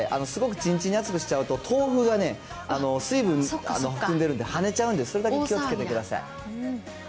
すごくちんちんに熱くしちゃうと、豆腐がね、水分含んでるんで、はねちゃうんで、それだけ気をつけてください。